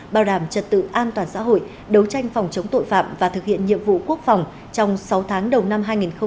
bảo đảm trật tự an toàn xã hội đấu tranh phòng chống tội phạm và thực hiện nhiệm vụ quốc phòng trong sáu tháng đầu năm hai nghìn hai mươi